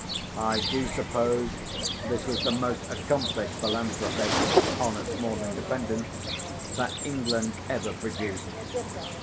I do suppose this was the most accomplished philanthropist (on a small independence) that England ever produced.